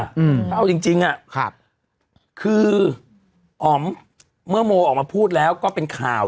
ถ้าเอาจริงคือออมเมื่อโมออกมาพูดแล้วก็เป็นข่าว